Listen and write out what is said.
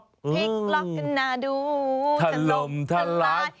พลิกล็อกขนาดูทะลมทะลาย